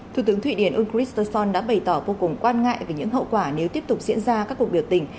thủ tướng thụy điển úl christensen đã bày tỏ vô cùng quan ngại về những hậu quả nếu tiếp tục diễn ra các cuộc biểu tình